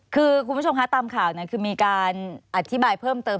คือคุณผู้ชมคะตามข่าวคือมีการอธิบายเพิ่มเติม